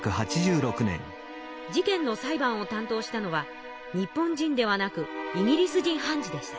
事件の裁判を担当したのは日本人ではなくイギリス人判事でした。